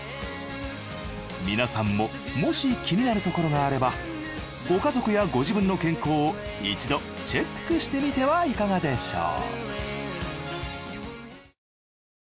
皆さんももし気になるところがあればご家族やご自分の健康を一度チェックしてみてはいかがでしょう？